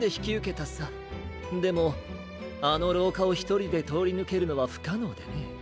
でもあのろうかをひとりでとおりぬけるのはふかのうでね。